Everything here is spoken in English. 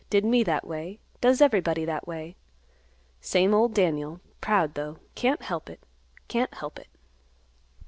Did me that way; does everybody that way. Same old Daniel. Proud, though; can't help it; can't help it."